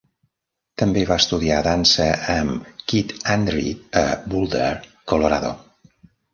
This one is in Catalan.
També va estudiar dansa amb Kit Andree a Boulder, Colorado.